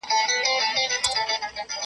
پاکه هوا د ښه ژوند سبب کېږي.